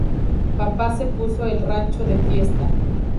Papá se puso el rancho de fiesta.